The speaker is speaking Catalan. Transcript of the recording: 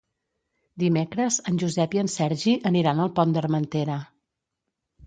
Dimecres en Josep i en Sergi aniran al Pont d'Armentera.